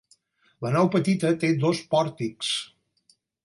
La nau petita té dos pòrtics.